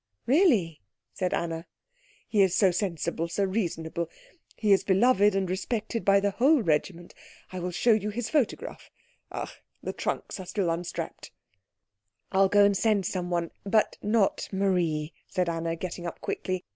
"Really?" said Anna. "He is so sensible, so reasonable; he is beloved and respected by the whole regiment. I will show you his photograph ach, the trunks are still unstrapped." "I'll go and send someone but not Marie," said Anna, getting up quickly.